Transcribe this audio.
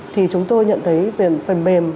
thì chúng tôi nhận thấy về phần mềm